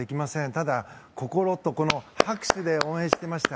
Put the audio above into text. ただ、心と拍手で応援していました。